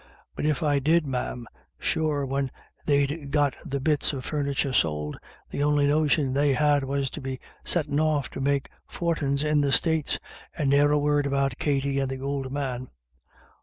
But if I did, ma'am, sure when they'd got the bits of furniture sold, the on'y notion they had was to be settin' off to make for tins in the States, and ne'er a word about Katty and the ould man.